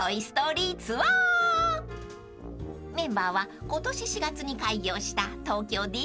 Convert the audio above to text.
［メンバーは今年４月に開業した東京ディズニー